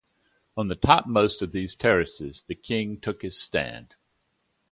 On the topmost of these terraces the king took his stand.